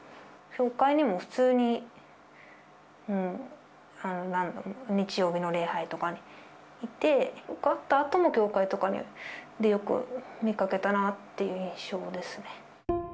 教会にも普通に、日曜日の礼拝とかにいて、受かったあとも教会とかでよく見かけたなっていう印象ですね。